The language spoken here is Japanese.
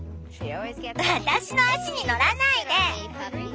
私の足に乗らないで！